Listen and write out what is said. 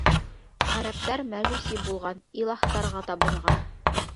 Ғәрәптәр мәжүси булған, илаһтарға табынған.